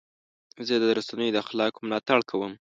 زه د رسنیو د اخلاقو ملاتړ کوم.